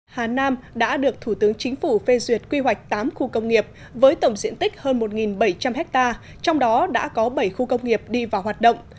hà nam đã được thủ tướng chính phủ phê duyệt quy hoạch tám khu công nghiệp với tổng diện tích hơn một bảy trăm linh ha trong đó đã có bảy khu công nghiệp đi vào hoạt động